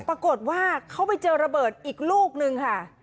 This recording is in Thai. ปรากฏว่าเขาไปเจอระเบิดอีกลูกนึงค่ะ